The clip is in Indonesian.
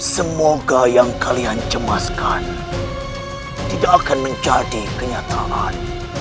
semoga yang kalian cemaskan tidak akan menjadi kenyataan